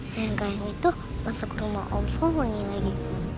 naya gayung itu masuk rumah om sony lagi